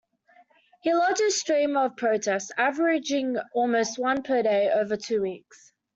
He lodged a stream of protests, averaging almost one per day, over two weeks.